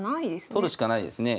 取るしかないですね。